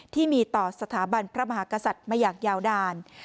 ที่มีต่อสถาบันพระมหากษัตริย์มาอย่างยาวนาน